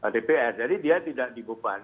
dpr jadi dia tidak dibubarkan